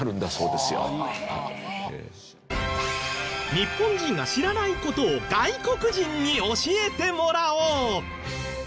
日本人が知らない事を外国人に教えてもらおう！